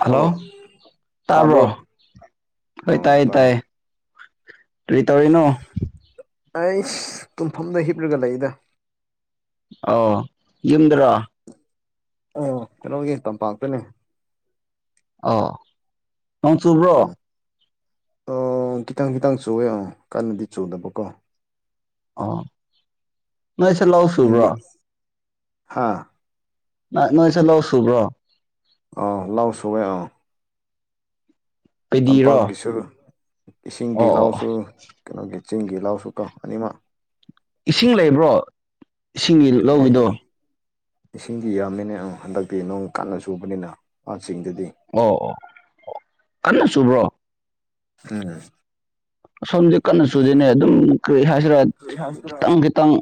hello ꯇꯥꯕ꯭ꯔꯣ ꯍꯣꯏ ꯑꯣ ꯇꯥꯏꯌꯦ ꯇꯥꯏ ꯇꯥꯏꯌꯦ ꯀꯔꯤꯇꯧꯔꯤꯅꯣ ꯑꯩꯁ ꯇꯨꯝꯐꯝꯗ ꯍꯤꯞꯔꯒ ꯂꯩꯗ ꯑꯧ ꯌꯨꯝꯗꯔꯣ ꯎꯝ ꯀꯩꯅꯣꯒꯤ ꯇꯝꯄꯥꯛꯇꯅꯦ ꯑꯣ ꯅꯣꯡ ꯆꯨꯕ꯭ꯔꯣ ꯑꯥ ꯈꯤꯇꯪ ꯈꯤꯇꯪ ꯆꯨꯋꯦ ꯑꯥ ꯀꯟꯅꯗꯤ ꯆꯨꯗꯕꯀꯣ ꯑꯥ ꯅꯣꯏꯁꯦ ꯂꯧ ꯁꯨꯕ꯭ꯔꯣ ꯍꯥꯥ ꯅ ꯅꯣꯏꯁꯦ ꯂꯧ ꯁꯨꯕ꯭ꯔꯣ ꯑꯥ ꯂꯧ ꯁꯨꯋꯦ ꯑꯥ ꯄꯦꯗꯤꯔꯣ ꯇꯝꯄꯥꯛꯀꯤꯁꯨ ꯏꯁꯤꯡꯒꯤ ꯑꯣ ꯑꯣ ꯂꯧꯁꯨ ꯀꯩꯅꯣꯒꯤ ꯆꯤꯡꯒꯤ ꯂꯧꯁꯨ ꯀꯣ ꯑꯅꯤꯃꯛ ꯏꯁꯤꯡ ꯂꯩꯕ꯭ꯔꯣ ꯏꯁꯤꯡꯒꯤ ꯑꯦ ꯂꯧꯒꯤꯗꯣ ꯏꯁꯤꯡꯗꯤ ꯌꯥꯝꯅꯤꯅꯦ ꯍꯟꯗꯛꯇꯤ ꯅꯣꯡ ꯀꯟꯅ ꯆꯨꯕꯅꯤꯅ ꯆꯤꯡꯗꯗꯤ ꯑꯣ ꯑꯣ ꯑꯣ ꯀꯟꯅ ꯆꯨꯕ꯭ꯔꯣ ꯎꯝ ꯑꯁꯣꯝꯗꯤ ꯀꯟꯅ ꯆꯨꯗꯦꯅꯦ ꯑꯗꯨꯝ ꯀꯔꯤ ꯍꯥꯏꯁꯤꯔꯥ ꯈꯤꯇꯪ ꯈꯤꯇꯪ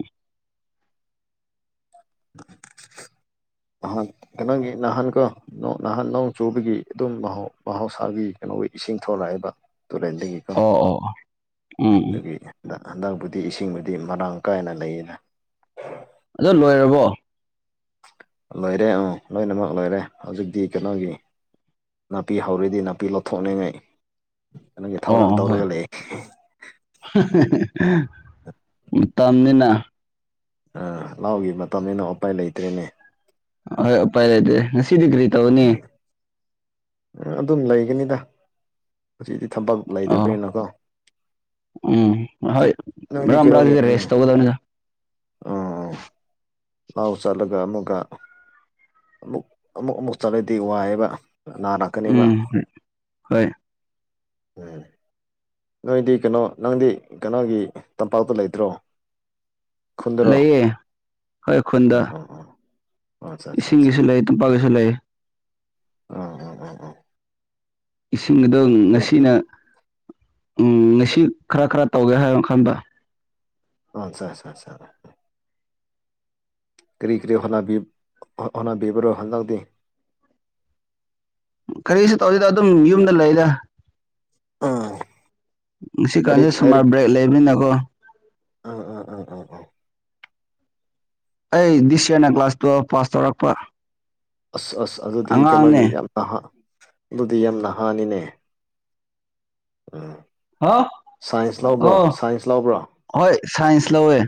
[inaudible] ꯅꯍꯥꯟ ꯀꯩꯅꯣꯒꯤ ꯅꯍꯥꯟ ꯀꯣ ꯅꯍꯥꯟ ꯅꯣꯡ ꯆꯨꯕꯒꯤ ꯑꯗꯨꯝ ꯃꯍꯧ ꯃꯍꯧꯁꯥꯒꯤ ꯀꯩꯅꯣ ꯑꯣꯏ ꯏꯁꯤꯡ ꯊꯣꯛꯂꯛꯑꯦꯕ ꯇꯨꯔꯦꯟꯗꯒꯤꯀꯣ ꯑꯣ ꯑꯣ ꯎꯝ ꯎꯝ ꯑꯗꯨꯒꯤ ꯍꯟꯗꯛꯄꯨꯗꯤ ꯏꯁꯤꯡꯕꯨꯗꯤ ꯃꯔꯥꯡ ꯀꯥꯏꯅ ꯂꯩꯌꯦꯅ ꯑꯗꯣ ꯂꯣꯏꯔꯕꯣ ꯂꯣꯏꯔꯦ ꯑꯪ ꯂꯣꯏꯅꯃꯛ ꯂꯣꯏꯔꯦ ꯍꯧꯖꯤꯛꯇꯤ ꯀꯩꯅꯣꯒꯤ ꯅꯥꯄꯤ ꯍꯧꯔꯤꯗꯤ ꯅꯥꯄꯤ ꯂꯧꯊꯣꯛꯅꯤꯉꯩ ꯑꯣ ꯍꯣꯏ ꯍꯨ ꯍꯨ ꯍꯨ ꯃꯇꯝꯅꯤꯅ ꯑ ꯂꯧꯒꯤ ꯃꯇꯝꯅꯤꯅ ꯎꯄꯥꯏ ꯂꯩꯇ꯭ꯔꯦꯅꯦ ꯍꯣꯏ ꯎꯄꯥꯏ ꯂꯩꯇꯦ ꯉꯁꯤꯗꯤ ꯀꯔꯤ ꯇꯧꯅꯤ ꯑꯗꯨꯝ ꯂꯩꯒꯅꯤꯗ ꯍꯧꯖꯤꯛꯗꯤ ꯊꯕꯛ ꯑꯣ ꯂꯩꯗꯕ꯭ꯔꯅꯀꯣ ꯎꯝ ꯍꯣꯏ ꯅꯪꯗꯤ ꯃꯔꯛ ꯃꯔꯛ ꯀꯩꯅꯣꯒꯤ ꯎꯝ ꯔꯦꯁ ꯇꯧꯒꯗꯕꯅꯤꯗ ꯃꯥꯎ ꯆꯠꯂꯒ ꯑꯃꯨꯛꯀ ꯑꯃꯨꯛ ꯑꯃꯨꯛ ꯑꯃꯨꯛ ꯆꯠꯂꯗꯤ ꯋꯥꯏꯑꯦꯕ ꯅꯔꯛꯀꯅꯤꯕ ꯎꯝ ꯍꯣꯏ ꯎꯝ ꯅꯣꯏꯗꯤ ꯀꯩꯅꯣ ꯅꯪꯗꯤ ꯀꯩꯅꯣꯒꯤ ꯇꯝꯄꯥꯛꯇ ꯂꯩꯇ꯭ꯔꯣ ꯈꯨꯟꯗꯔꯣ ꯂꯩꯌꯦ ꯍꯣꯏ ꯈꯨꯟꯗ ꯑꯣ ꯑꯣ ꯑꯣ ꯑꯠꯆꯥ ꯑꯠꯆꯥ ꯏꯁꯤꯡꯒꯤꯁꯨ ꯂꯩ ꯇꯝꯄꯥꯛꯒꯤꯁꯨ ꯂꯩ ꯎꯝ ꯎꯝ ꯎꯝ ꯎꯝ ꯏꯁꯤꯡ ꯑꯗꯣ ꯉꯁꯤꯅ ꯎꯝ ꯉꯁꯤ ꯈꯔ ꯈꯔ ꯇꯧꯒꯦ ꯍꯥꯏꯅ ꯈꯟꯕ ꯎꯝ ꯁꯥ ꯁꯥ ꯁꯥ ꯀꯔꯤ ꯀꯔꯤ ꯍꯣꯠꯅꯥꯕꯤ ꯍꯣꯠꯅꯥꯕꯤꯕꯔꯣ ꯍꯟꯗꯛꯗꯤ ꯀꯔꯤꯁꯨ ꯇꯧꯗꯦꯗ ꯑꯗꯨꯝ ꯌꯨꯝꯗ ꯂꯩꯗ ꯑꯥ ꯉꯁꯤꯀꯥꯟꯖꯦ ꯂꯥꯏꯔꯤꯛ ꯁꯨꯃꯔ ꯕ꯭ꯔꯦꯛ ꯂꯩꯕꯅꯤꯅꯀꯣ ꯎꯝ ꯎꯝ ꯎꯝ ꯎꯝ ꯎꯝ ꯑꯩ ꯗꯤꯁ ꯏꯌꯥꯔꯅ ꯀ꯭ꯂꯥꯁ ꯇꯨꯋꯦꯜꯄ ꯄꯥꯁ ꯇꯧꯔꯛꯄ ꯑꯁ ꯑꯁ ꯑꯗꯨꯗꯤ ꯀꯩꯅꯣꯒꯤ ꯑꯉꯥꯡꯅꯦ ꯌꯥꯝꯅ ꯅꯍꯥ ꯑꯗꯨꯗꯤ ꯌꯥꯝ ꯅꯍꯥꯅꯤꯅꯦ ꯎꯝ ꯍꯥ ꯁꯥꯏꯟꯁ ꯂꯧꯕ꯭ꯔꯥ ꯑꯣ ꯁꯥꯏꯟꯁ ꯂꯧꯕ꯭ꯔꯥ ꯍꯣꯏ ꯁꯥꯏꯟꯁ ꯂꯧꯋꯦ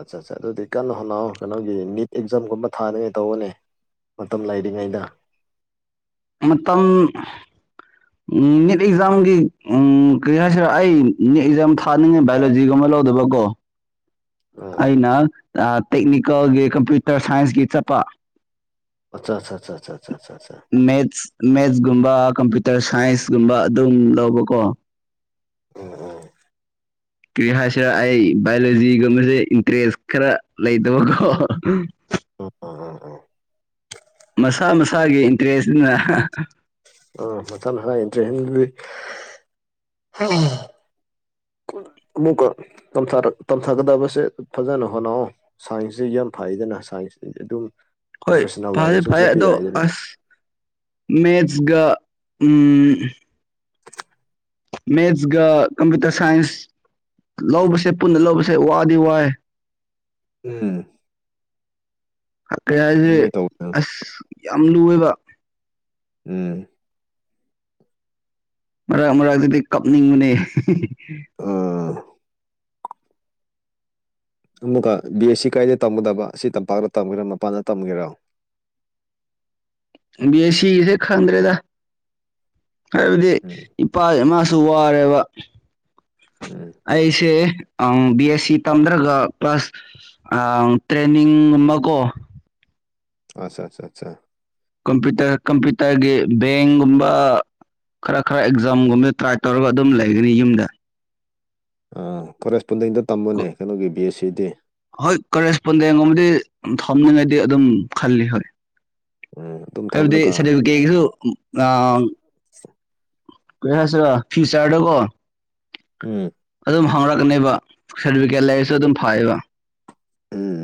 ꯑꯠꯆꯥ ꯑꯠꯆꯥ ꯑꯗꯨꯗꯤ ꯀꯟꯅ ꯍꯣꯅꯥꯎ ꯀꯩꯅꯣꯒꯤ ꯅꯤꯠ ꯑꯦꯛꯖꯥꯝꯒꯨꯝꯕ ꯊꯥꯅꯤꯉꯩ ꯇꯧꯋꯣꯅꯦ ꯃꯇꯝ ꯂꯩꯔꯤꯉꯩꯗ ꯃꯇꯝ ꯅꯤꯠ ꯑꯦꯛꯖꯥꯝꯒꯤ ꯎꯝ ꯀꯔꯤ ꯍꯥꯏꯁꯤꯔꯥ ꯑꯩ ꯅꯤꯠ ꯑꯦꯛꯖꯥꯝ ꯊꯥꯅꯤꯡꯉꯥꯏ ꯕꯥꯏꯑꯣꯂꯣꯖꯤꯒꯨꯝꯕ ꯂꯧꯗꯕꯒꯣ ꯎꯝ ꯑꯩꯅ ꯑ ꯇꯦꯛꯅꯤꯀꯦꯜꯒꯤ ꯀꯝꯄ꯭ꯌꯨꯇꯔ ꯁꯥꯏꯟꯁꯀꯤ ꯆꯠꯄ ꯑꯆꯥ ꯆꯥ ꯆꯥ ꯃꯦꯊꯁ ꯃꯦꯊꯁꯒꯨꯝꯕ ꯀꯝꯄꯨꯔ ꯇꯔ ꯁꯥꯏꯟꯁꯀꯨꯝꯕ ꯑꯗꯨꯝ ꯂꯧꯕꯀꯣ ꯎꯝ ꯎꯝ ꯀꯔꯤ ꯍꯥꯏꯁꯤꯔ ꯑꯩ ꯕꯥꯏꯑꯣꯂꯣꯖꯤꯒꯨꯝꯕꯁꯦ ꯏꯟꯇꯔꯦꯁ ꯈꯔ ꯂꯩꯇꯕꯀꯣ ꯑꯪ ꯑꯪ ꯑꯪ ꯃꯁꯥ ꯃꯁꯥꯒꯤ ꯏꯟꯇ꯭ꯔꯦꯁꯅꯤꯅ ꯑꯥ ꯃꯁꯥ ꯃꯁꯥ ꯏꯟꯇ꯭ꯔꯦꯁꯅ ꯂꯨꯏ ꯑꯃꯨꯛꯀ ꯇꯝꯊꯔꯛ ꯇꯝꯊꯥꯒꯗꯕꯁꯦ ꯐꯖꯅ ꯍꯣꯠꯅꯑꯣ ꯁꯥꯏꯟꯁꯁꯦ ꯌꯥꯝ ꯐꯩꯗꯅ ꯁꯥꯏꯟꯁꯇꯤ ꯑꯗꯨꯝ ꯍꯣꯏ ꯄ꯭ꯔꯣꯐꯦꯁꯅꯦꯜ ꯐꯩꯌꯦ ꯂꯥꯏꯟꯗꯁꯨ ꯐꯌꯦ ꯆꯠꯄ ꯑꯗꯣ ꯌꯥꯏꯗꯅ ꯑꯁ ꯃꯦꯊꯁꯒ ꯎꯝ ꯃꯦꯊꯁꯒ ꯀꯝꯄ꯭ꯌꯨꯇꯔ ꯁꯥꯏꯟꯁ ꯂꯧꯕꯁꯦ ꯄꯨꯟꯅ ꯂꯧꯕꯁꯦ ꯋꯥꯗꯤ ꯋꯥꯏ ꯎꯝ ꯀꯩ ꯍꯥꯏꯁꯦ ꯑꯗꯨꯃꯥꯏꯅ ꯇꯧꯕꯅ ꯑꯁ ꯌꯥꯝ ꯂꯨꯋꯦꯕ ꯎꯝ ꯃꯔꯛ ꯃꯔꯛꯇꯗꯤ ꯀꯞꯅꯤꯡꯕꯅꯦ ꯑꯃꯨꯛꯀ ꯕꯤ ꯑꯦꯁ ꯁꯤ ꯀꯥꯏꯗ ꯇꯝꯒꯗꯕ ꯑꯁꯤ ꯇꯝꯄꯥꯛꯇ ꯇꯝꯒꯦꯔꯣ ꯃꯄꯥꯟꯗ ꯇꯝꯒꯦꯔꯣ [inaudible] ꯕꯤ ꯑꯦ ꯁꯤꯁꯦ ꯈꯪꯗ꯭ꯔꯦꯗ ꯍꯥꯏꯕꯗꯤ ꯎꯝ ꯏꯄꯥ ꯏꯃꯥ ꯁꯨ ꯋꯥꯔꯦꯕ ꯎꯝ ꯑꯩꯁꯦ ꯑꯪ ꯕꯤ ꯑꯦꯁ ꯁꯤ ꯇꯝꯗ꯭ꯔꯒ ꯀ꯭ꯂꯥꯁ ꯇ꯭ꯔꯦꯅꯤꯡꯒꯨꯝꯕꯀꯣ ꯑꯆꯥ ꯆꯥ ꯆꯥ ꯀꯝꯄ꯭ꯌꯨꯇꯔ ꯀꯝꯄ꯭ꯌꯇꯔꯒꯤ ꯕꯦꯡꯒꯨꯝꯕ ꯈꯔ ꯈꯔ ꯑꯦꯛꯖꯥꯝꯒꯨꯝꯕꯗ ꯇ꯭ꯔꯥꯏ ꯇꯧꯔꯒ ꯑꯗꯨꯝ ꯂꯩꯒꯅꯤ ꯌꯨꯝꯗ ꯑꯥ ꯀꯣꯂꯦꯁ ꯍꯣꯏ ꯀꯔꯦꯁꯄꯣꯟꯗꯦꯡꯒꯨꯝꯕꯗꯤ ꯊꯣꯝꯅꯤꯡꯉꯥꯗꯤ ꯑꯗꯨꯝ ꯈꯜꯂꯤ ꯍꯣꯏ ꯎꯝ ꯑꯗꯨꯝ ꯍꯥꯏꯕꯗꯤ ꯊꯝꯂꯒ ꯁꯥꯔꯇꯤꯐꯤꯀꯦꯁꯨ ꯑꯪ ꯀꯩ ꯍꯥꯏꯁꯤꯔ ꯐꯤꯌꯨꯆꯔꯗ ꯀꯣ ꯎꯝ ꯑꯗꯨꯝ ꯍꯥꯡꯔꯛꯀꯅꯤꯕ ꯁꯥꯔꯇꯤꯐꯤꯀꯦꯠ ꯂꯩꯔꯁꯨ ꯑꯗꯨꯝ ꯐꯩꯕ ꯎꯝ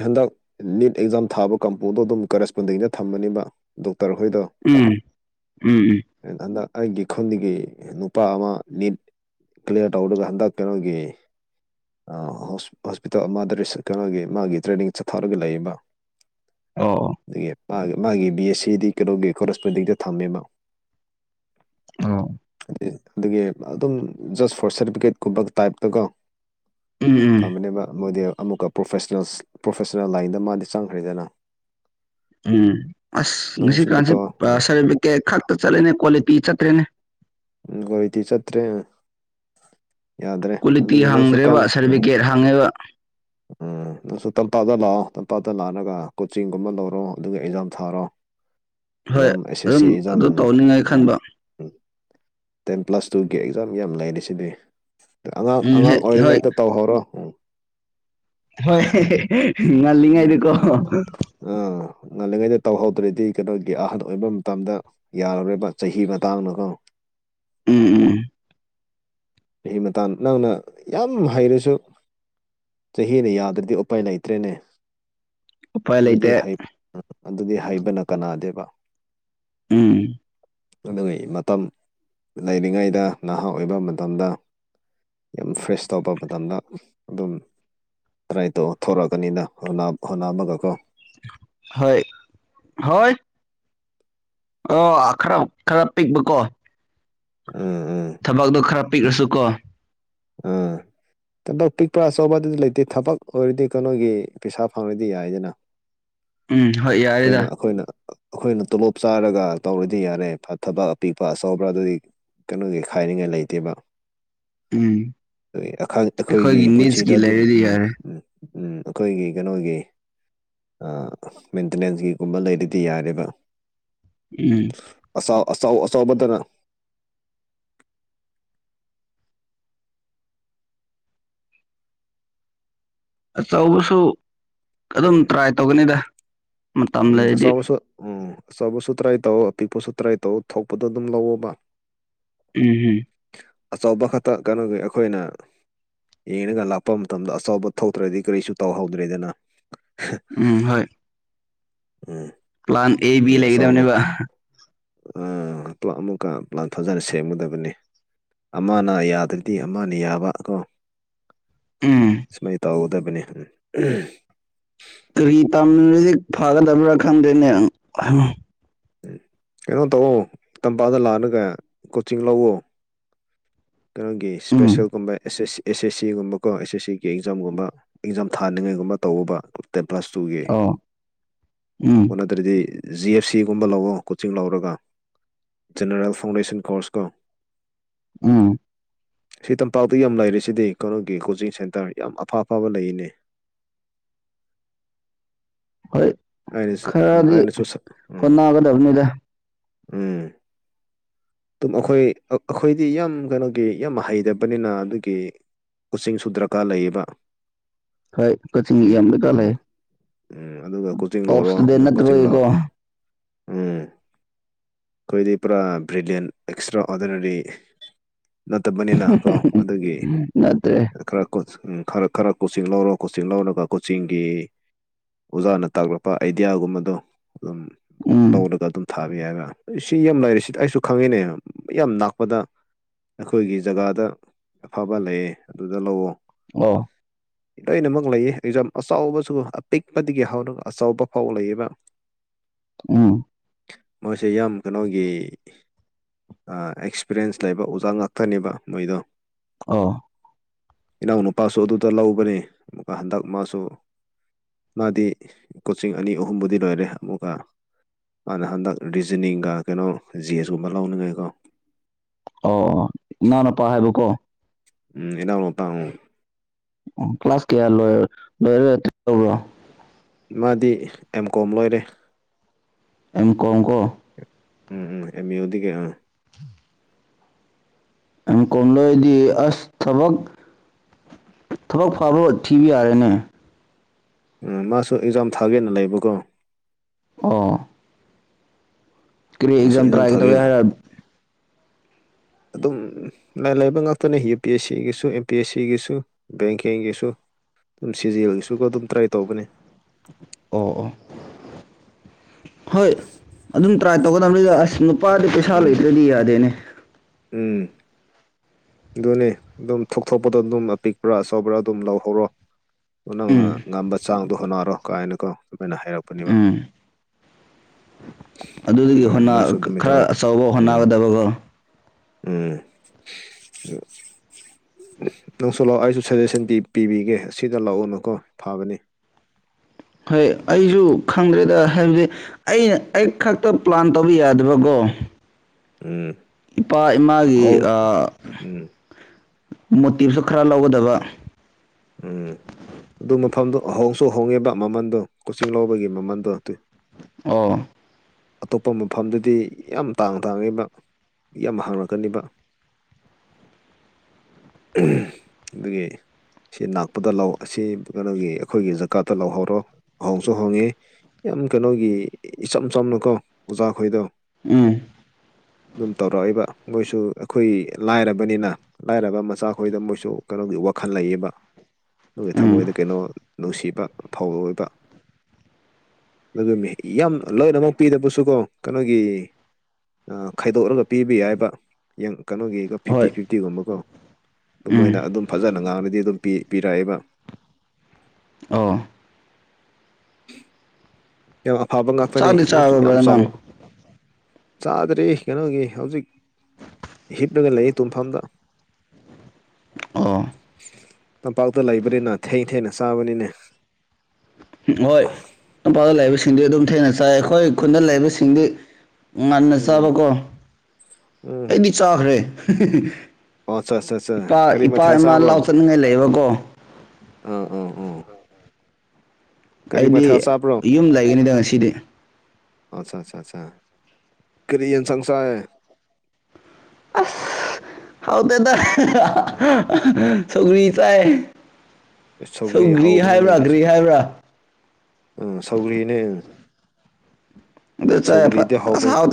ꯍꯟꯗꯛ ꯅꯤꯠ ꯑꯦꯛꯖꯥꯝ ꯊꯥꯕ ꯀꯝꯄꯨꯗꯣ ꯑꯗꯨꯝ ꯀꯔꯦꯁꯄꯣꯟꯗꯤꯡꯗ ꯊꯝꯕꯅꯦꯕ ꯇꯧꯔꯛꯈꯩꯗꯣ ꯎꯝ ꯎꯝ ꯎꯝ ꯑꯩꯅ ꯍꯟꯗꯛ ꯑꯩꯒꯤ ꯈꯨꯟꯗꯒꯤ ꯅꯨꯄꯥ ꯑꯃ ꯅꯤꯠ ꯀ꯭ꯂꯤꯌꯥꯔ ꯇꯧꯔꯒ ꯍꯟꯗꯛ ꯀꯩꯅꯣꯒꯤ ꯑ ꯍꯣꯁ ꯍꯣꯁꯄꯤꯇꯥꯜ ꯑꯃꯗ ꯄꯦꯁꯀꯅꯒꯤ ꯃꯥꯒꯤ ꯇ꯭ꯔꯦꯅꯤꯡ ꯆꯠꯊꯔꯒ ꯂꯩꯏꯕ ꯑꯣ ꯑꯗꯨꯒꯤ ꯃꯥꯒꯤ ꯃꯥꯒꯤ ꯕꯤ ꯑꯦꯁ ꯁꯤꯗꯤ ꯀꯩꯅꯧꯒꯤ ꯀꯣꯔꯦꯁꯄꯣꯟꯗꯤꯡꯗ ꯊꯝꯃꯦꯕ ꯑꯣ ꯑꯗꯨꯒꯤ ꯑꯗꯨꯝ ꯖꯁ ꯐꯣꯔ ꯁꯔꯇꯤꯐꯤꯀꯦꯠꯀꯨꯝꯕ ꯇꯏꯞꯇꯀꯣ ꯎꯝ ꯎꯝ ꯐꯕꯅꯦꯕ ꯃꯣꯗꯦꯜ ꯑꯃꯨꯛꯀ ꯄ꯭ꯔꯣꯐꯦꯁꯅꯦꯜꯁ ꯄ꯭ꯔꯣꯐꯦꯁꯅꯦꯜ ꯂꯥꯏꯟꯗ ꯃꯥꯗꯤ ꯆꯪꯈ꯭ꯔꯦꯗꯅ ꯎꯝ ꯑꯁ ꯅꯪ ꯉꯁꯤ ꯁꯨꯃꯥꯏꯅ ꯀꯥꯟꯁꯦ ꯇꯧ ꯎꯝ ꯁꯥꯔꯇꯤꯐꯤꯀꯦꯠ ꯈꯛꯇ ꯆꯠꯂꯦꯅꯦ ꯀꯣꯂꯤꯇꯤ ꯆꯠ ꯇꯦꯅꯦ ꯀ꯭ꯋꯥꯂꯤꯇꯤ ꯆꯠꯇ꯭ꯔꯦ ꯌꯥꯗ꯭ꯔꯦ ꯀ꯭ꯋꯥꯂꯤꯇꯤ ꯑꯗꯨꯒꯤ ꯅꯪꯁꯨ ꯀꯟꯅ ꯍꯪꯗ꯭ꯔꯦꯕ ꯎꯝ ꯁꯥꯔꯇꯤꯐꯤꯀꯦꯠ ꯍꯪꯉꯦꯕ ꯎꯝ [inaudible] ꯅꯪꯁꯨ ꯇꯞꯇꯥꯗ ꯂꯥꯛꯑꯣ ꯇꯞꯇꯥꯇ ꯂꯥꯛꯔꯒ ꯀꯣꯆꯤꯡꯒꯨꯝꯕ ꯂꯧꯔꯣ ꯑꯗꯨꯒ ꯑꯦꯛꯖꯥꯝ ꯊꯥꯔꯣ ꯍꯣꯏ ꯑꯦꯖꯥꯝ ꯑꯦꯁ ꯑꯦꯁ ꯁꯤ ꯑꯗꯨꯝ ꯑꯦꯖꯥꯝ ꯑꯗꯨ ꯇꯧꯅꯤꯡꯉꯥꯏ ꯎꯝ ꯈꯟꯕ ꯎꯝ ꯇꯦꯟ ꯄ꯭ꯂꯁ ꯇꯨꯒꯤ ꯑꯦꯛꯖꯥꯝ ꯌꯥꯝ ꯂꯩꯔꯤ ꯁꯤꯗꯤ ꯑꯉꯥꯡ ꯎꯝ ꯍꯦ ꯑꯉꯥꯡ ꯍꯣꯏ ꯑꯣꯏꯔꯤꯉꯩꯗ ꯇꯧꯍꯧꯔꯣ [unintelligible] ꯍꯣꯏ ꯎꯝ ꯉꯜꯂꯤꯉꯩꯗꯀꯣ ꯑꯥ ꯉꯜꯂꯤꯉꯩꯗ ꯇꯧꯍꯧꯗ꯭ꯔꯗꯤ ꯀꯩꯅꯣꯒꯤ ꯑꯍꯟ ꯑꯣꯏꯕ ꯃꯇꯝꯗ ꯌꯥꯔꯔꯣꯏꯕ ꯆꯍꯤ ꯃꯇꯥꯡꯅꯀꯣ ꯎꯝ ꯎꯝ ꯆꯍꯤ ꯃꯇꯥꯡ ꯅꯪꯅ ꯌꯥꯝ ꯍꯩꯔꯁꯨ ꯆꯍꯤꯅ ꯌꯥꯗ꯭ꯔꯗꯤ ꯎꯄꯥꯏ ꯂꯩꯇ꯭ꯔꯦꯅꯦ ꯎꯄꯥꯏ ꯑꯗꯨꯗꯤ ꯂꯩꯇꯦ ꯍꯩ ꯑꯗꯨꯗꯤ ꯍꯩꯕꯅ ꯀꯅꯥꯗꯦꯕ ꯎꯝ [unintelligible] ꯃꯇꯝ ꯂꯩꯔꯤꯉꯩꯗ ꯅꯍꯥ ꯑꯣꯏꯕ ꯃꯇꯝꯗ ꯌꯥꯝ ꯐ꯭ꯔꯦꯁ ꯇꯧꯕ ꯃꯇꯝꯗ ꯑꯗꯨꯝ ꯇꯔꯥꯏ ꯇꯧꯑꯣ ꯊꯣꯔꯛꯑꯅꯤꯅ ꯍꯣꯠꯅꯥ ꯍꯣꯠꯅꯕꯀꯣ ꯍꯣꯏ ꯍꯣꯏ ꯑꯣ ꯈꯔ ꯈꯔ ꯄꯤꯛꯄꯀꯣ ꯎꯝ ꯎꯝ ꯄꯤꯛꯑꯁꯨꯀꯣ ꯑꯥ ꯊꯕꯛ ꯄꯤꯛꯄꯥ ꯑꯆꯧꯕ ꯑꯗꯨꯗꯤ ꯂꯩꯇꯦ ꯊꯕꯛ ꯑꯣꯏꯔꯗꯤ ꯀꯩꯅꯣꯒꯤ ꯄꯩꯁꯥ ꯐꯪꯔꯗꯤ ꯌꯥꯏꯗꯅ ꯎꯝ ꯍꯣꯏ ꯌꯥꯔꯦꯗ ꯑꯩꯈꯣꯏꯅ ꯑꯩꯈꯣꯏꯅ ꯑꯩꯈꯣꯏꯅ ꯇꯣꯂꯣꯞ ꯆꯥꯔꯒ ꯇꯧꯔꯗꯤ ꯌꯥꯔꯦ ꯐꯠ ꯊꯕꯛ ꯑꯄꯤꯛꯄ ꯑꯆꯧꯕ꯭ꯔꯥ ꯑꯗꯨꯗꯤ ꯀꯩꯅꯣꯒꯤ ꯈꯥꯏꯔꯤꯉꯥꯏ ꯂꯩꯇꯦꯕ ꯎꯝ ꯎꯏ ꯑꯈꯪ ꯑꯩꯈꯣꯏꯒꯤ ꯄꯨꯟꯁꯤꯗ ꯅꯤꯠꯁꯀꯤ ꯑꯗꯨꯝ ꯂꯩꯔꯗꯤ ꯎꯝ ꯌꯥꯔꯦ ꯎꯝ ꯎꯝ ꯑꯩꯈꯣꯏꯒꯤ ꯀꯩꯅꯣꯒꯤ ꯑꯥ ꯃꯦꯟꯇꯦꯅꯦꯟꯁꯀꯤꯒꯨꯝꯕ ꯂꯩꯔꯗꯤ ꯌꯥꯔꯦꯕ ꯎꯝ ꯑꯆꯧ ꯑꯆꯧꯕꯗꯅ ꯑꯆꯧꯕꯁꯨ ꯑꯗꯨꯝ ꯎꯝ ꯇ꯭ꯔꯥꯏ ꯇꯧꯒꯅꯤꯗ ꯃꯇꯝ ꯎꯝ ꯂꯩꯔꯗꯤ ꯑꯆꯧꯕꯁꯨ ꯎꯝ ꯑꯆꯧꯕꯁꯨ ꯇ꯭ꯔꯥꯏ ꯇꯧꯑꯣ ꯑꯄꯤꯛꯄꯁꯨ ꯇ꯭ꯔꯥꯏ ꯇꯧꯑꯣ ꯊꯣꯛꯄꯗꯣ ꯑꯗꯨꯝ ꯂꯧꯑꯣꯕ ꯎꯝꯍꯨꯝ ꯑꯆꯧꯕ ꯈꯛꯇ ꯀꯩꯅꯣꯒꯤ ꯑꯩꯈꯣꯏꯅ ꯌꯦꯡꯔꯒ ꯂꯥꯛꯄ ꯃꯇꯝꯗ ꯑꯆꯧꯕ ꯊꯣꯛꯇ꯭ꯔꯗꯤ ꯀꯔꯤꯁꯨ ꯇꯧꯍꯧꯗ꯭ꯔꯦꯗꯅ ꯎꯝ ꯍꯣꯏ ꯎꯝ ꯄ꯭ꯂꯥꯟ ꯑꯦ ꯑꯗꯒꯤ ꯕꯤ ꯑꯆꯧꯕ ꯂꯩꯒꯗꯕꯅꯦꯕ ꯑꯥ ꯄ꯭ꯂꯥꯟ ꯑꯃꯨꯛꯀ ꯄ꯭ꯂꯥꯟ ꯐꯥꯖꯅ ꯁꯦꯝꯒꯗꯕꯅꯦ ꯑꯃꯅ ꯌꯥꯗ꯭ꯔꯗꯤ ꯑꯃꯅ ꯌꯥꯕ ꯀꯣ ꯎꯝ ꯁꯨꯃꯥꯏ ꯇꯧꯒꯗꯕꯅꯦ ꯎꯝ ꯐꯥꯒꯗꯕ꯭ꯔꯥ ꯈꯪꯗꯦꯅꯦ [unintelligible] ꯀꯩꯅꯣ ꯇꯧꯑꯣ ꯇꯝꯄꯥꯛꯇ ꯂꯥꯛꯂꯒ ꯀꯣꯆꯤꯡ ꯂꯧꯑꯣ ꯀꯩꯅꯣꯒꯤ ꯎꯝ ꯁ꯭ꯄꯦꯁꯦꯜꯒꯨꯝꯕ ꯑꯦꯁ ꯁꯦꯁ ꯁꯤ ꯑꯦꯁ ꯑꯦꯁ ꯁꯤꯒꯨꯝꯕ ꯀꯣ ꯑꯦꯁ ꯑꯦꯁ ꯁꯤꯒꯤ ꯑꯦꯛꯖꯥꯝꯒꯨꯝꯕ ꯑꯦꯛꯖꯥꯝ ꯊꯥꯅꯤꯡꯉꯥꯏꯒꯨꯝꯕ ꯇꯧꯑꯣꯕꯥ ꯇꯦꯟ ꯄ꯭ꯂꯥꯁ ꯇꯨꯒꯤ ꯑꯣ ꯎꯝ ꯑꯣ ꯅꯠꯇ꯭ꯔꯗꯤ ꯖꯤ ꯑꯦꯐ ꯁꯤꯒꯨꯝꯕ ꯂꯧꯑꯣ ꯀꯣꯆꯤꯡ ꯂꯧꯔꯒ ꯖꯦꯅꯔꯦꯜ ꯐꯥꯎꯗꯦꯁꯟ ꯀꯣꯔꯁ ꯀꯣ ꯎꯝ ꯁꯤ ꯇꯝꯄꯥꯛꯇ ꯌꯥꯝ ꯂꯥꯏꯔꯤꯁꯤꯗꯤ ꯀꯩꯅꯣꯒꯤ ꯀꯣꯆꯤꯡ ꯁꯦꯟꯇꯔ ꯌꯥꯝ ꯑꯐ ꯑꯐꯕ ꯂꯩꯌꯦꯅꯦ [inaudible] ꯍꯣꯏ ꯑꯩꯅꯁꯨ ꯎꯝ ꯈꯔꯗꯤ ꯑꯩꯅꯁꯨ ꯁ- ꯎꯝ ꯍꯣꯠꯅꯒꯗꯕꯅꯤꯗ ꯎꯝ ꯑꯗꯨꯝ ꯑꯩꯈꯣꯏ ꯑꯩꯈꯣꯏꯗꯤ ꯌꯥꯝ ꯀꯩꯅꯣꯒꯤ ꯌꯥꯝ ꯍꯩꯔꯕꯅꯤꯅ ꯑꯗꯨꯒꯤ ꯀꯣꯆꯤꯡ ꯁꯨ ꯗꯔꯀꯥꯔ ꯂꯩꯌꯦꯕꯥ ꯍꯣꯏ ꯀꯛꯆꯤꯡ ꯑꯌꯥꯝꯕꯗ ꯂꯩ ꯎꯝ ꯑꯗꯨꯒ ꯀꯣꯆꯤꯡ ꯇꯣꯞ ꯂꯧꯔꯣ ꯏꯁꯇꯨꯗꯦꯟ ꯑꯗꯨ ꯀꯣꯆꯤꯡ ꯂꯧ ꯅꯠꯇꯕꯒꯤꯀꯣ ꯎꯝ ꯑꯈꯣꯢꯗꯤ ꯄꯨꯔꯥ ꯕꯔꯤꯗꯦꯟ ꯑꯦꯛꯁꯇ꯭ꯔꯥ ꯑꯣꯔꯗꯤꯅꯔꯤ ꯅꯠꯇꯕꯅꯤꯅ ꯀꯣ ꯑꯗꯨꯒꯤ ꯅꯠꯇ꯭ꯔꯦ ꯈꯔ ꯀꯣ ꯎꯝ ꯈꯔ ꯈꯔ ꯀꯣꯆꯤꯡ ꯂꯧꯔꯣ ꯀꯣꯆꯤꯡ ꯂꯧꯔꯒ ꯀꯣꯆꯤꯡꯒꯤ ꯑꯣꯖꯥꯅ ꯇꯥꯛꯂꯛꯄ ꯑꯥꯏꯗꯤꯌꯥꯒꯨꯝꯕꯗꯣ ꯎꯝ ꯎꯝ ꯂꯧꯔꯒ ꯑꯗꯨꯝ ꯊꯥꯕ ꯌꯥꯏꯅꯥ ꯈꯪꯉꯤꯅꯦ ꯃꯌꯥꯝ ꯂꯥꯛꯄꯗ ꯑꯩꯈꯣꯏꯒꯤ ꯖꯒꯥꯗ ꯑꯐꯕ ꯂꯩꯌꯦ ꯑꯗꯨꯗ ꯂꯧꯋꯣ ꯑꯣ ꯂꯣꯏꯅꯃꯛ ꯂꯩꯌꯦ ꯑꯦꯛꯖꯥꯝ ꯑꯆꯧꯕꯁꯨ ꯑꯄꯤꯛꯄꯗꯒꯤ ꯍꯧꯔꯒ ꯑꯆꯧꯕꯥ ꯐꯥꯎꯕ ꯂꯩꯌꯦꯕ ꯎꯝ ꯃꯣꯏꯁꯦ ꯌꯥꯝ ꯀꯩꯅꯣꯒꯤ ꯑꯦꯛꯁ꯭ꯄꯤꯔꯤꯌꯦꯟꯁ ꯂꯩꯕ ꯑꯣꯖꯥ ꯉꯥꯛꯇꯅꯦꯕ ꯃꯣꯏꯗꯣ ꯑꯥ ꯏꯅꯥꯎꯅꯨꯄꯥꯁꯨ ꯑꯗꯨꯗ ꯂꯧꯕꯅꯤ ꯑꯃꯨꯀ ꯍꯟꯗꯛ ꯃꯥꯁꯨ ꯃꯥꯗꯤ ꯀꯣꯆꯤꯡ ꯑꯅꯤ ꯑꯍꯨꯝꯕꯨꯗꯤ ꯂꯣꯏꯔꯦ ꯑꯃꯨꯛꯀ ꯃꯥꯅ ꯍꯟꯗꯛ ꯔꯤꯖꯅꯤꯡꯒ ꯀꯩꯅꯣ ꯖꯤ ꯑꯦꯁꯀꯨꯝꯕ ꯂꯧꯅꯤꯡꯉꯥꯏꯀꯣ ꯑꯣ ꯏꯅꯥꯎꯅꯨꯄꯥ ꯍꯥꯏꯕꯀꯣ ꯎꯝ ꯏꯅꯥꯎꯅꯨꯄꯥꯅꯤ ꯀ꯭ꯂꯥꯁ ꯀꯌꯥ ꯂꯣꯏ ꯂꯣꯏꯔ ꯇꯧꯔ꯭ꯔꯣ ꯃꯥꯗꯤ ꯑꯦꯝ ꯀꯣꯝ ꯂꯣꯏꯔꯦ ꯑꯦꯝ ꯀꯣꯝꯀꯣ ꯎꯝ ꯎꯝ ꯑꯦꯃꯌꯨꯗꯤ ꯑꯥ ꯑꯦꯝ ꯀꯣꯝ ꯂꯣꯏꯗꯤ ꯑꯁ ꯊꯕꯛ ꯊꯕꯛ ꯐꯕ ꯊꯤꯕ ꯌꯥꯔꯦꯅꯦ ꯎꯝ ꯃꯥꯁꯨ ꯑꯦꯛꯖꯥꯝ ꯊꯥꯒꯦꯅ ꯂꯩꯕꯀꯣ ꯑꯣ ꯀꯔꯤ ꯃꯥꯁꯨ ꯑꯦꯛꯖꯥꯝ ꯇ꯭ꯔꯥꯏ ꯇꯧꯒꯦ ꯊꯥꯒꯦꯅ ꯍꯥꯏꯔ ꯑꯗꯨꯝ ꯂꯥꯏ ꯂꯥꯏꯕ ꯉꯥꯛꯇꯅꯤ U P S ꯁꯤꯒꯤꯁꯨ M P S ꯁꯤꯒꯤꯁꯨ ꯕꯦꯡꯀꯤꯡꯒꯤꯁꯨ ꯁꯤꯖꯦꯜꯒꯤꯁꯨ ꯑꯗꯨꯝ ꯇ꯭ꯔꯥꯏ ꯇꯧꯒꯅꯤ ꯑꯣ ꯑꯣ ꯍꯣꯏ ꯑꯗꯨꯝ ꯇ꯭ꯔꯥꯏ ꯇꯧꯒꯗꯕꯅꯤꯗ ꯑꯁ ꯅꯨꯄꯗꯤ ꯄꯩꯁꯥ ꯎꯝ ꯂꯩꯇ꯭ꯔꯗꯤ ꯌꯥꯗꯦꯅꯦ ꯎꯝ ꯑꯗꯨꯅꯤ ꯑꯗꯨꯝ ꯊꯣꯛ ꯊꯣꯛꯄꯗꯣ ꯑꯗꯨꯝ ꯑꯄꯤꯛꯄ꯭ꯔꯥ ꯑꯆꯧꯕ꯭ꯔꯥ ꯑꯗꯨꯝ ꯂꯧꯍꯧꯔꯣ ꯅꯪꯅ ꯎꯝ ꯉꯝꯕ ꯆꯥꯡꯗꯣ ꯍꯣꯠꯅꯔꯣ ꯀꯥꯏꯅꯀ ꯑꯗꯨꯃꯥꯏꯅ ꯍꯥꯏꯔꯛꯄꯅꯦꯕ ꯎꯝ ꯑꯗꯨꯗꯒꯤ ꯑꯗꯨ ꯍꯣꯠꯅ ꯅꯪꯁꯨ ꯑꯗꯨꯃꯥꯏꯅ ꯈꯔ ꯇꯧꯔꯣ ꯑꯆꯧꯕ ꯍꯣꯠꯅꯒꯗꯕꯀꯣ ꯎꯝ ꯎꯝ ꯅꯪꯁꯨ ꯂꯥꯛꯑꯣ ꯑꯩꯁꯨ ꯁꯖꯦꯁꯟ ꯄꯤ ꯄꯤꯕꯤꯒꯦ ꯁꯤꯗ ꯂꯥꯛꯎꯅꯨꯀꯣ ꯐꯕꯅꯤ ꯍꯣꯏ ꯑꯩꯖꯨ ꯈꯪꯗ꯭ꯔꯦꯗ ꯎꯝ ꯍꯥꯏꯕꯗꯤ ꯑꯩꯅ ꯑꯩ ꯈꯛꯇ ꯄ꯭ꯂꯥꯟ ꯇꯧꯕ ꯌꯥꯗꯕꯒꯣ ꯎꯝ ꯏꯄꯥ ꯏꯃꯥꯒꯤ ꯍꯣꯡ ꯑꯥ ꯎꯝ ꯃꯣꯇꯤꯞꯁꯨ ꯈꯔ ꯂꯧꯒꯗꯕ ꯎꯝ ꯑꯗꯨ ꯃꯐꯝꯗꯣ ꯍꯣꯡꯁꯨ ꯍꯣꯡꯉꯦꯕ ꯃꯃꯟꯗꯣ ꯀꯣꯆꯤꯡ ꯂꯧꯕꯒꯤ ꯃꯃꯟꯗꯣ ꯑꯗꯨꯏ ꯑꯣ ꯑꯇꯣꯞꯄ ꯃꯐꯝꯗꯗꯤ ꯌꯥꯝ ꯇꯥꯡ ꯇꯥꯡꯉꯦꯕ ꯌꯥꯝ ꯍꯪꯔꯛꯀꯅꯤꯕ [inaudible] ꯎꯝ ꯑꯗꯨꯒꯤ ꯁꯤ ꯅꯛꯄꯗ ꯂꯧ ꯑꯁꯤ ꯀꯩꯅꯣꯒꯤ ꯑꯈꯣꯏꯒꯤ ꯖꯒꯥꯥꯗ ꯂꯧꯍꯧꯔꯣ ꯍꯣꯡꯁꯨ ꯍꯣꯡꯉꯤ ꯌꯥꯝ ꯀꯩꯅꯣꯒꯤ ꯏꯆꯝ ꯆꯝꯅꯀꯣ ꯑꯣꯖꯥꯈꯣꯏꯗꯣ ꯎꯝ ꯑꯗꯨꯝ ꯇꯧꯔꯛꯏꯕ ꯃꯣꯏꯁꯨ ꯑꯩꯈꯣꯏ ꯂꯥꯏꯔꯕꯅꯤꯅ ꯂꯥꯏꯔꯕ ꯃꯆꯥꯈꯣꯏꯗ ꯃꯣꯏꯁꯨ ꯀꯩꯅꯣꯒꯤ ꯋꯥꯈꯜ ꯂꯩꯌꯦꯕ [unintelligible] ꯎꯝ ꯊꯃꯣꯏꯗ ꯀꯩꯅꯣ ꯅꯨꯡꯁꯤꯕ ꯐꯥꯎꯋꯦꯕ ꯑꯗꯨ ꯃꯤ ꯌꯥꯝ ꯂꯣꯏꯅꯃꯛ ꯄꯤꯗꯕꯁꯨꯀꯣ ꯀꯅꯣꯒꯤ ꯑꯥ ꯈꯥꯏꯗꯣꯛꯔꯒ ꯄꯤꯕ ꯌꯥꯏꯕ ꯌꯦꯡ ꯀꯅꯣꯒꯤꯒ ꯐꯤꯞꯇꯤ ꯍꯣꯏ ꯐꯤꯐꯇꯤꯒꯨꯝꯕꯀꯣ ꯑꯗꯨ ꯃꯣꯏꯅ ꯎꯝ ꯑꯗꯨꯝ ꯐꯖꯅ ꯉꯥꯡꯔꯗꯤ ꯑꯗꯨꯝ ꯄꯤ ꯄꯤꯔꯛꯑꯦꯕ ꯑꯣ [inaudible] ꯌꯥꯝ ꯑꯐꯕ ꯉꯥꯛꯇꯅꯤ ꯆꯥꯛꯇꯤ ꯃꯣꯏꯁꯨ ꯌꯥꯝ ꯆꯥꯔꯕ꯭ꯔꯥ ꯆꯥꯎ ꯅꯪ ꯆꯥꯗ꯭ꯔꯔ ꯀꯩꯅꯣꯒꯤ ꯍꯧꯖꯤꯛ ꯍꯤꯞꯔꯒ ꯂꯩꯌꯦ ꯇꯨꯝꯐꯝꯗ ꯑꯣ ꯇꯝꯄꯥꯛꯇ ꯂꯩꯕꯅꯤꯅ ꯊꯦꯡ ꯊꯦꯡꯅ ꯆꯥꯕꯅꯤꯅꯦ ꯍꯣꯏ ꯇꯝꯄꯥꯛꯇ ꯂꯩꯕꯁꯤꯡꯗꯤ ꯑꯗꯨꯝ ꯊꯦꯡꯅ ꯆꯥꯏ ꯑꯩꯈꯣꯏ ꯈꯨꯟꯗ ꯂꯩꯕꯁꯤꯡꯗꯤ ꯉꯟꯅ ꯎꯝ ꯆꯥꯕꯀꯣ ꯎꯝ ꯑꯩꯗꯤ ꯆꯥꯈ꯭ꯔꯦ ꯑꯣ ꯑꯠꯆꯥ ꯑꯠꯆꯥ ꯑꯠꯆꯥ [unintelligible] ꯏꯄꯥ ꯀꯔꯤ ꯏꯄꯥ ꯃꯊꯦꯜ ꯏꯃꯥ ꯆꯥꯕ꯭ꯔꯣ ꯂꯧ ꯆꯠꯅꯤꯡꯉꯥꯏ ꯂꯩꯕꯀꯣ ꯑꯥ ꯑꯥ ꯑꯣ ꯑꯩꯗꯤ ꯌꯨꯝ ꯂꯩꯒꯅꯤꯗ ꯉꯁꯤꯗꯤ ꯑꯆꯥ ꯆꯥ ꯆꯥ ꯀꯔꯤ ꯌꯦꯟꯁꯥꯡ ꯆꯥꯏ ꯑꯁ ꯍꯥꯎꯇꯦꯗ [unintelligible] ꯁꯧꯒ꯭ꯔꯤ ꯆꯥꯏ ꯁꯧꯒ꯭ꯔꯤ ꯍꯥꯎꯕꯅꯤꯅꯦ ꯍꯥꯏꯕ꯭ꯔꯥ ꯑꯩꯁꯦ ꯒ꯭ꯔꯤ ꯍꯥꯏꯕ꯭ꯔꯥ ꯑꯥ ꯁꯧꯒ꯭ꯔꯤꯅꯦ ꯑꯗꯨ ꯆꯥꯏ ꯐꯠ ꯁꯧꯒ꯭ꯔꯤꯗꯤ ꯑꯁ ꯍꯧꯕ ꯍꯥꯎꯇꯦ